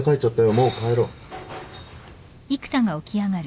もう帰ろう。